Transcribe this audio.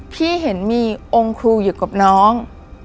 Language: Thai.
พี่เห็นมีองค์ครูอยู่กับน้อง